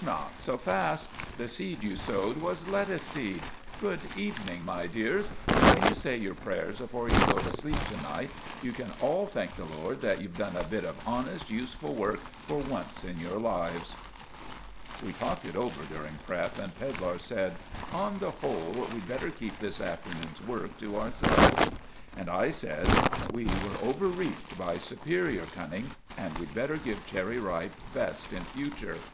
"Not so fast. The seed you sowed was lettuce seed! Good evening, my dears, and when you say your prayers afore you go to sleep to night, you can all thank the Lord that you've done a bit of honest, useful work for once in your lives!" We talked it over during prep., and Pedlar said— "On the whole, we'd better keep this afternoon's work to ourselves." And I said— "We were overreached by superior cunning, and we'd better give Cherry Ripe best in future."